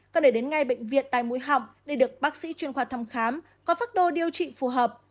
còn để đến ngay bệnh viện tay mũi họng để được bác sĩ chuyên khoa thăm khám có pháp đô điều trị phù hợp